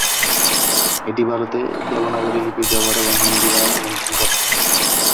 এটি ভারতে দেবনাগরী লিপির ব্যবহার এবং হিন্দি বানান নিয়ন্ত্রণ করে।